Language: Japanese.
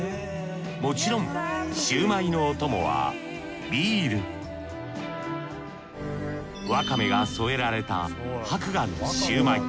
もちろんシュウマイのお供はビールワカメが添えられた博雅のシュウマイ。